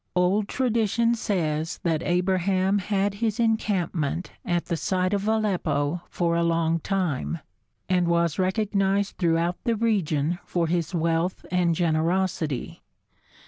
Old tradition says that Abraham had his encampment at the site of Aleppo for a long time, and was recognized throughout the region for his wealth and generosity.